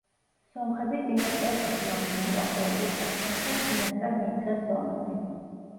სომხები წინასწარ გრძნობდნენ მოახლოებულ საფრთხეს და წინასწარ მიიღეს ზომები.